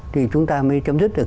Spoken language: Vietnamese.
thì chúng ta mới chấm dứt được